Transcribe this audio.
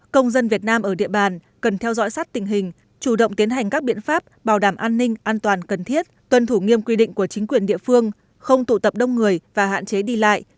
công dân việt nam ở địa bàn cần theo dõi sát tình hình chủ động tiến hành các biện pháp bảo đảm an ninh an toàn cần thiết tuân thủ nghiêm quy định của chính quyền địa phương không tụ tập đông người và hạn chế đi lại